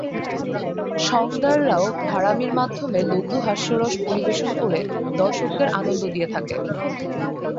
সঙদাররাও ভাঁড়ামির মাধ্যমে লঘু হাস্যরস পরিবেশন করে দর্শকদের আনন্দ দিয়ে থাকে।